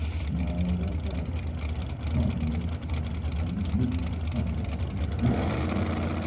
"No, that's out of the question. Snarbi knows this country and he knew we would find out that he was missing at dawn.